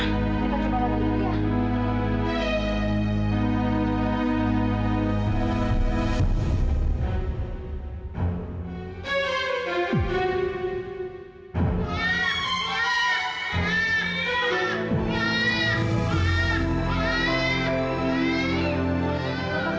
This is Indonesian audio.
kita coba dokter